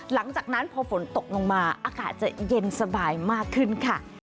หลังจากนั้นพอฝนตกลงมาอากาศจะเย็นสบายมากขึ้นค่ะ